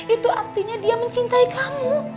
itu artinya dia mencintai kamu